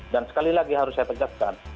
dan sekali lagi harus saya tegaskan